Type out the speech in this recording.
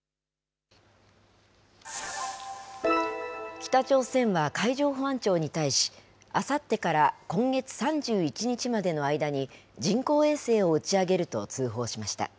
北朝鮮は海上保安庁に対し、あさってから今月３１日までの間に、人工衛星を打ち上げると通報しました。